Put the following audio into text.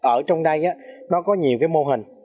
ở trong đây nó có nhiều cái mô hình